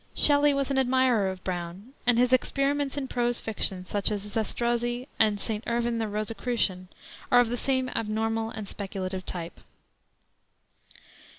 Shelley was an admirer of Brown, and his experiments in prose fiction, such as Zastrozzi and St. Irvyne the Rosicrucian, are of the same abnormal and speculative type.